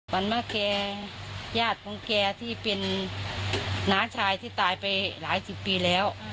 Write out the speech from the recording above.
ว่าแกญาติของแกที่เป็นน้าชายที่ตายไปหลายสิบปีแล้ว